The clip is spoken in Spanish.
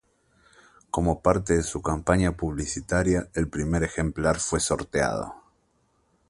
Como parte de su campaña publicitaria, el primer ejemplar fue sorteado.